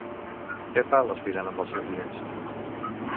Què fa l'aspirant amb els seus diners?